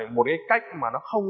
một cái cách mà nó không